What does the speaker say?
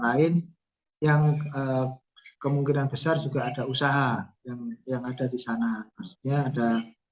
lain yang kemungkinan besar juga ada usaha yang yang ada di sana maksudnya ada